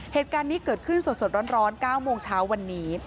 เหตุการณ์นี้เกิดขึ้นสดร้อน๙โมงเช้าวันนี้